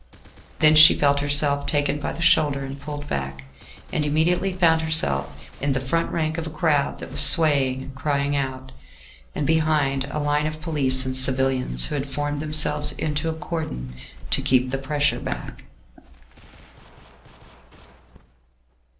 Then she felt herself taken by the shoulder and pulled back, and immediately found herself in the front rank of a crowd that was swaying and crying out, and behind a line of police and civilians who had formed themselves into a cordon to keep the pressure back.